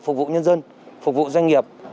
phục vụ nhân dân phục vụ doanh nghiệp